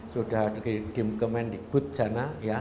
sudah dikemen di budjana